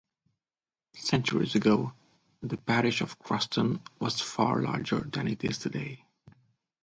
Centuries ago the parish of Croston was far larger than it is today.